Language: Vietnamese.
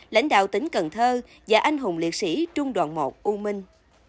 lãnh đạo tỉnh cần thơ và anh hùng liệt sĩ trung đoàn một u minh